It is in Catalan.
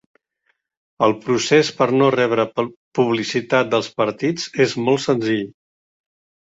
El procés per no rebre publicitat dels partits és molt senzill